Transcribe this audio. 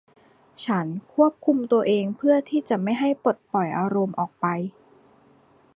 ฉันควบคุมตัวเองเพื่อที่จะไม่ให้ปลดปล่อยอารมณ์ออกไป